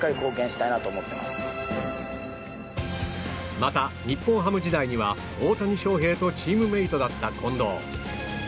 また、日本ハム時代には大谷翔平とチームメートだった近藤。